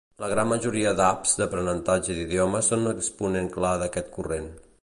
La gran majoria d'apps d'aprenentatge d'idiomes són un exponent clar d'aquest corrent.